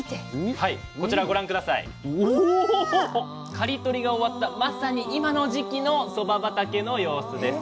刈り取りが終わったまさに今の時期のそば畑の様子です。